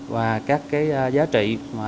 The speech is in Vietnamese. và các giá trị